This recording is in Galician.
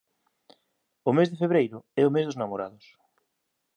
O mes de febreiro é o mes dos namorados